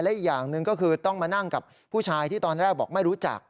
อีกอย่างหนึ่งก็คือต้องมานั่งกับผู้ชายที่ตอนแรกบอกไม่รู้จัก